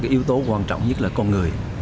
yếu tố quan trọng nhất là con người